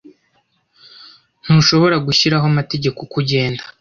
Ntushobora gushyiraho amategeko uko ugenda.